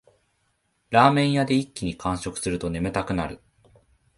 ラーメン屋で一気に完食すると眠たくなる